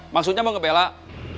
maksudnya mau ngebelak